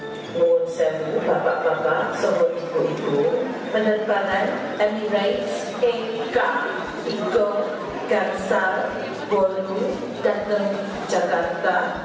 bapak bapak semua ibu ibu penerbangan emirates eka igo gansar bologna datang jakarta